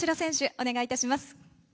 お願いいたします。